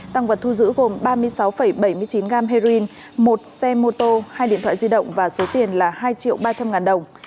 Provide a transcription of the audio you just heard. tăng vật thu giữ gồm ba mươi sáu bảy mươi chín gam heroin một xe mô tô hai điện thoại di động và số tiền là hai triệu ba trăm linh ngàn đồng